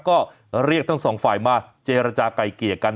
ก็เรียกทั้งสองฝ่ายมาเจรจาก่ายเกลี่ยกัน